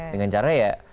dengan cara ya